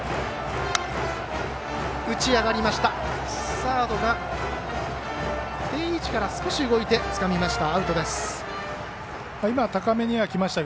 サードが定位置から少し動いてつかみました。